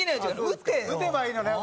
撃てばいいのね？